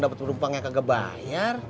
dapat penumpang yang kagak bayar